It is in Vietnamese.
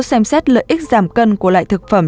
xem xét lợi ích giảm cân của loại thực phẩm